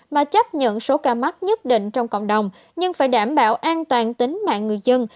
mà chấp nhận số ca mắc nhất định trong cộng đồng nhưng phải đảm bảo an toàn tính mạng người dân